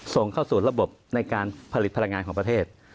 ส่งเข้าสู่ระบบในการผลิตพลังงานของประเทศ